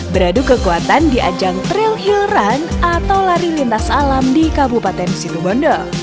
beradu kekuatan di ajang trail hill run atau lari lintas alam di kabupaten situbondo